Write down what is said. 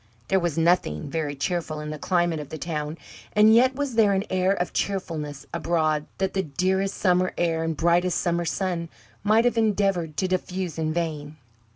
There was nothing very cheerful in the climate or the town, and yet was there an air of cheerfulness abroad that the dearest summer air and brightest summer sun might have endeavoured to diffuse in vain.